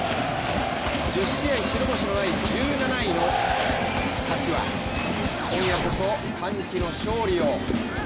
１０試合白星のない１７位の柏、今夜こそ歓喜の勝利を。